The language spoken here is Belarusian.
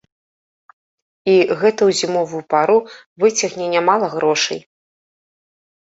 І гэта ў зімовую пару выцягне нямала грошай.